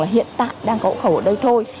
là hiện tại đang có ổ khẩu ở đây thôi